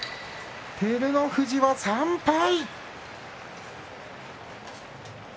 照ノ富士は３敗。